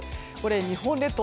日本列島